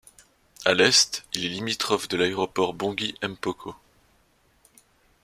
A l’est, il est limitrophe de l’aéroport Bangui-Mpoko.